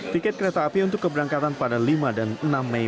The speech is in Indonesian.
tiket kereta api untuk keberangkatan pada lima dan enam mei